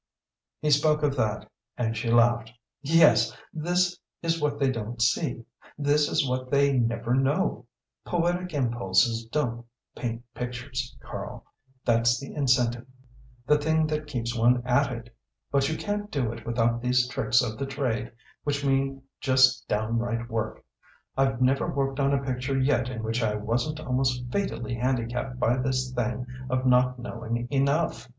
He spoke of that, and she laughed. "Yes, this is what they don't see. This is what they never know. Poetic impulses don't paint pictures, Karl. That's the incentive; the thing that keeps one at it, but you can't do it without these tricks of the trade which mean just downright work. I've never worked on a picture yet in which I wasn't almost fatally handicapped by this thing of not knowing enough.